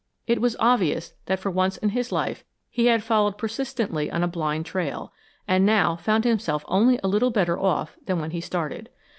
It was obvious that for once in his life he had followed persistently on a blind trail, and now found himself only a little better off than when he started.